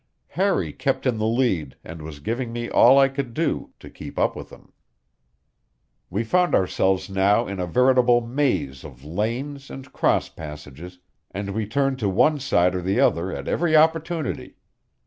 Harry kept in the lead, and was giving me all I could do to keep up with him. We found ourselves now in a veritable maze of lanes and cross passages, and we turned to one side or the other at every opportunity.